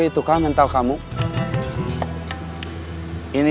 ini bukan soal mental gini kamu lihat aku kali ini